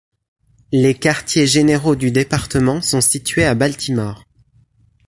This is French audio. Les quartiers généraux du département sont situés à Baltimore.